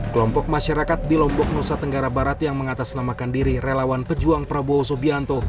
kelompok masyarakat di lombok nusa tenggara barat yang mengatasnamakan diri relawan pejuang prabowo subianto